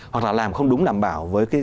hoặc là làm không đúng đảm bảo